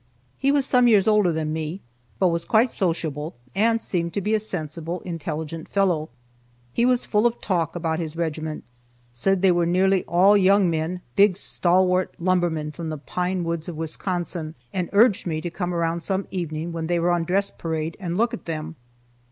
He was some years older than me, but was quite sociable, and seemed to be a sensible, intelligent fellow. He was full of talk about his regiment, said they were nearly all young men, big stalwart lumbermen from the pine woods of Wisconsin, and urged me to come around some evening when they were on dress parade, and look at them.